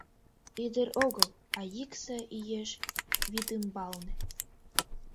Ӱдыр огыл, а йӱксӧ Иеш вӱдӱмбалне.